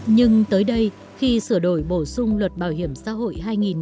nhưng tới đây khi sửa đổi bổ sung luật bảo hiểm xã hội hai nghìn một mươi bốn